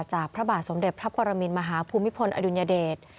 พระบาทสมเด็จพระปรมินมหาภูมิพลอดุลยเดช